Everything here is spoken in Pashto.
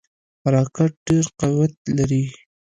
راکټ ډیر قوت لري